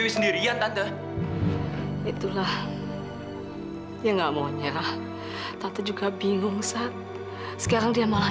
sita ya udah sekarang gini aja